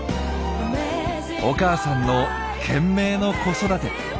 お母さんの懸命の子育て。